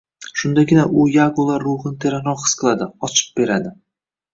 Shundagina u yagolar ruhiyatini teranroq his qiladi, ochib beradi.